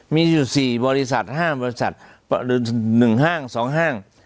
มีอยู่สี่บริษัทห้ามบริษัทหรือหนึ่งห้างสองห้าง